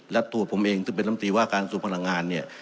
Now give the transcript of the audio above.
และตัวผมเองซึ่งเป็นลำตีว่าการสวนพลังงานเนี่ย